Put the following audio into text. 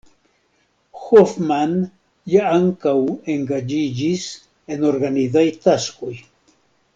Hofmann ja ankaŭ engaĝiĝis en organizaj taskoj.